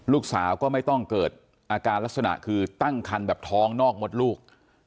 ลูกสาวก็ไม่ต้องเกิดอาการลักษณะคือตั้งคันแบบท้องนอกมดลูก